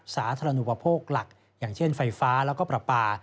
สาธารณูปโภคหลักอย่างเช่นไฟฟ้าแล้วก็ปลาปลา